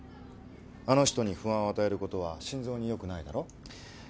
あの人に不安を与えることは心臓によくないだろ？